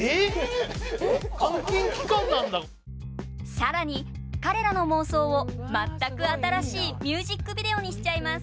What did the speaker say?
さらに、彼らの妄想を全く新しいミュージックビデオにしちゃいます。